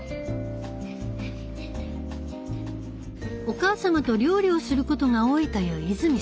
お母様と料理をすることが多いという泉さん。